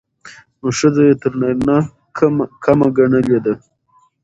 نو ښځه يې تر نارينه کمه ګڼلې ده.